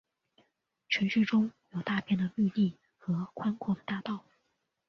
城市中有大片的绿地和宽阔的大道。